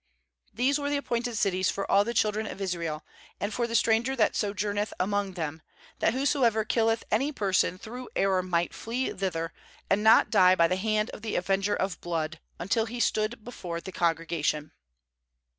These were the appointed cities for all the children of Israel, and for the stranger that so journeth among them, that whosoever killeth any person through error might flee thither, and not die by the hand of the avenger of blood, until he stood before the congregation.